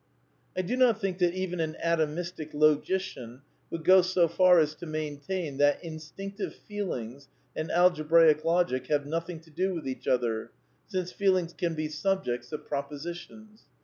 I do not think that even an atomistic logician would go so far as to maintain that instinctive feelings and algebraic logic have nothing to do with each other, since feelings can be subjects of propositions.